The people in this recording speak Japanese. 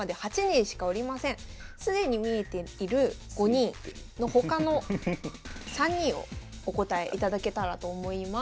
既に見えている５人の他の３人をお答えいただけたらと思います。